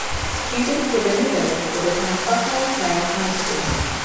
Students within the village would attend Buckeye Trail High School.